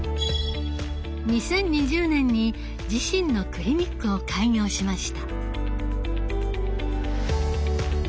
２０２０年に自身のクリニックを開業しました。